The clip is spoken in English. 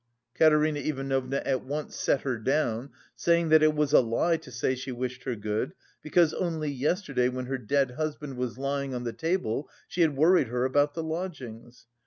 Katerina Ivanovna at once "set her down," saying that it was a lie to say she wished her good, because only yesterday when her dead husband was lying on the table, she had worried her about the lodgings.